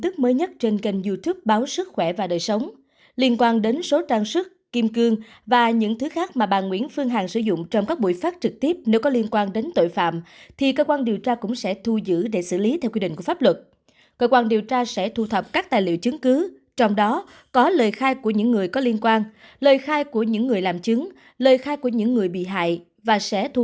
các bạn hãy đăng ký kênh để ủng hộ kênh của chúng mình nhé